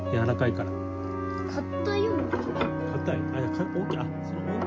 かたいよ。